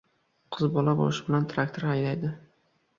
Qiz bola boshi bilan traktor haydaydi.